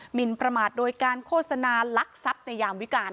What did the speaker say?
มินประมาทโดยการโฆษณาลักทรัพย์ในยามวิการ